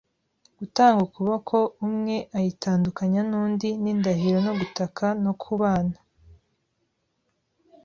gutanga ukuboko, umwe ayitandukanya n'undi; n'indahiro no gutaka no kubana